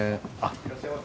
いらっしゃいませ。